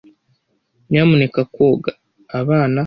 Nyamuneka koga abana.